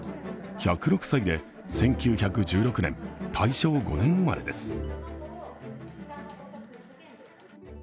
１０６歳で１９１６年、大正５年生まれです。